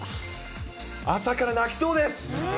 朝から泣きそうです。